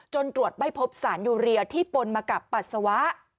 ตรวจไม่พบสารยูเรียที่ปนมากับปัสสาวะ